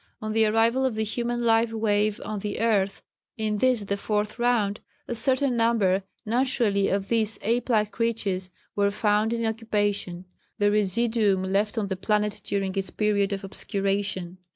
On the arrival of the human life wave on the Earth in this the Fourth Round, a certain number, naturally, of these ape like creatures were found in occupation the residuum left on the planet during its period of obscuration.